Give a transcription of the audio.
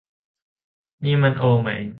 นี่มันโอไหม